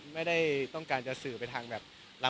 ไม่ได้ต้องการจะสื่อไปทางแบบเรา